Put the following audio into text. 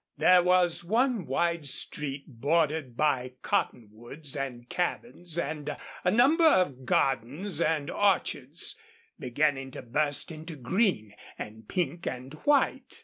There was one wide street bordered by cottonwoods and cabins, and a number of gardens and orchards, beginning to burst into green and pink and white.